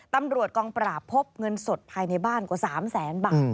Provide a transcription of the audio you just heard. ตำรวจกองปราบพบเงินสดภายในบ้านกว่า๓แสนบาท